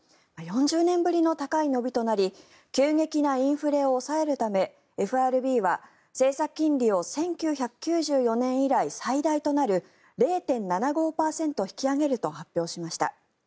４０年ぶりの高い伸びとなり急激なインフレを抑えるためＦＲＢは政策金利を１９９４年以来最大となる０．７５％引き上げると発表しました。